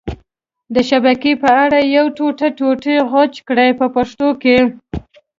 د شبکې په اره یې ټوټې ټوټې غوڅ کړئ په پښتو کې.